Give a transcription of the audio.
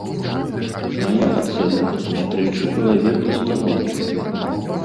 Мая ацэнка сустрэчы была вельмі станоўчай.